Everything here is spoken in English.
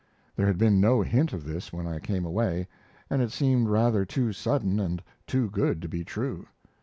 There had been no hint of this when I came away, and it seemed rather too sudden and too good to be true.